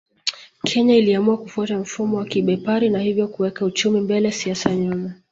Kenya iliamua kufuata mfumo wa kibepari na hivyo kuweka uchumi mbele siasa nyuma